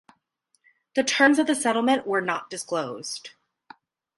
The terms of the settlement were not disclosed.